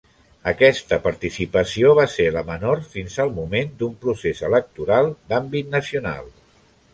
Aquesta participació va ser la menor fins al moment d'un procés electoral d'àmbit nacional.